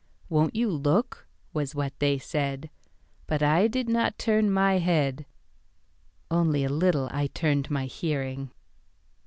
Won't you look? was what they said, But I did not turn my head.(Only a little I turned my hearing.)